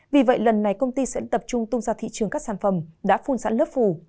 vì vậy lần này công ty sẽ tập trung tung ra thị trường các sản phẩm đã phun sẵn nước phủ